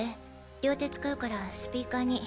両手使うからスピーカーに。